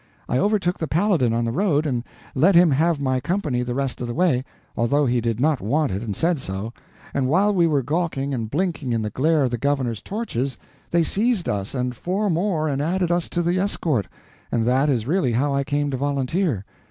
I overtook the Paladin on the road and let him have my company the rest of the way, although he did not want it and said so; and while we were gawking and blinking in the glare of the governor's torches they seized us and four more and added us to the escort, and that is really how I came to volunteer.